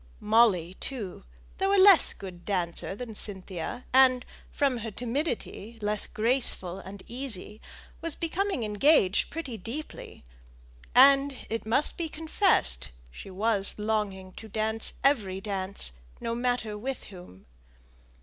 Molly, too, though not so good a dancer as Cynthia, and, from her timidity, less graceful and easy, was becoming engaged pretty deeply; and, it must be confessed, she was longing to dance every dance, no matter with whom.